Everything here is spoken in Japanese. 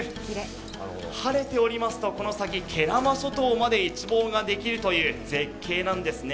晴れておりますと、この先慶良間諸島まで一望ができるという絶景なんですね。